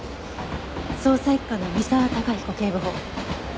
捜査一課の三沢貴彦警部補。